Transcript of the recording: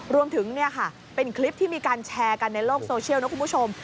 รวมถึงเนี่ยค่ะเป็นคลิปที่มีการแชร์กันในโลกโซเชียลนะคุณผู้ชม